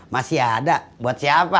masih ada buat siapa